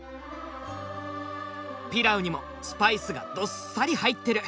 ピラウにもスパイスがどっさり入ってる。